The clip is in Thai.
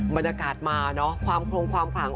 บรรยากาศมาเนอะความโครงความขวาง